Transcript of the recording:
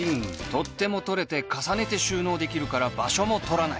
取っ手も取れて重ねて収納できるから場所も取らない！